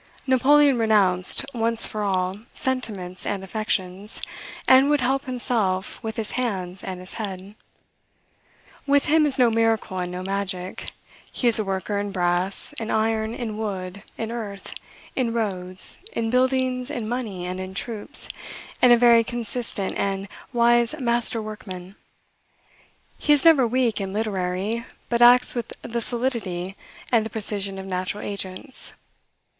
Napoleon renounced, once for all, sentiments and affections, and would help himself with his hands and his head. With him is no miracle, and no magic. He is a worker in brass, in iron, in wood, in earth, in roads, in buildings, in money, and in troops, and a very consistent and wise master workman. He is never weak and literary, but acts with the solidity and the precision of natural agents.